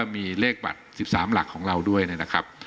มีเลขบัตร๑๓หลักของเราด้วยนะครับ